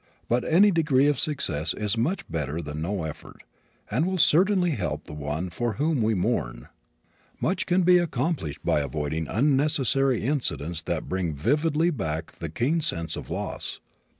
But any degree of success is much better than no effort, and will certainly help the one for whom we mourn. Much can be accomplished by avoiding unnecessary incidents that bring vividly back the keen sense of loss.